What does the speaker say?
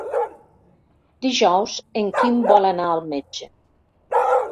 Dijous en Quim vol anar al metge.